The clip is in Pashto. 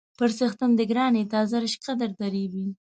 _پر څښتن دې ګران يې، تازه رشقه درته رېبي.